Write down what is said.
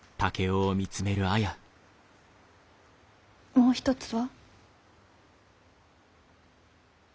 もう一つは？